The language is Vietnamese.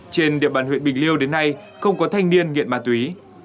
trên địa bàn huyện bình liêu đến nay không có thanh niên nghiện ma túy